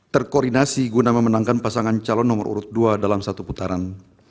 terkoordinasi guna memenangkan pasangan calon nomor urut dua dalam satu putaran